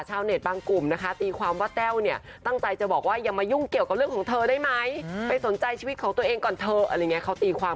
ชาวเน็ตบางกลุ่มนะคะตีความว่าแต้วเนี่ยตั้งใจจะบอกว่าอย่ามายุ่งเกี่ยวกับเรื่องของเธอได้ไหมไปสนใจชีวิตของตัวเองก่อนเธออะไรอย่างนี้เขาตีความ